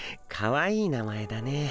かわいい名前だね。